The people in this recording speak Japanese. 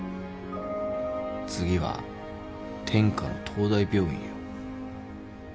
次は天下の東大病院よ。